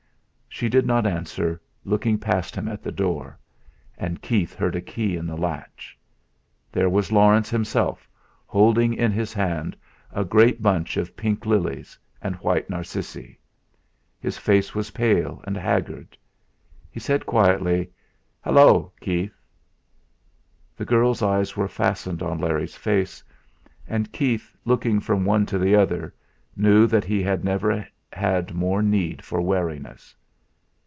She did not answer, looking past him at the door; and Keith heard a key in the latch. There was Laurence himself, holding in his hand a great bunch of pink lilies and white narcissi. His face was pale and haggard. He said quietly: "Hallo, Keith!" The girl's eyes were fastened on Larry's face; and Keith, looking from one to the other, knew that he had never had more need for wariness.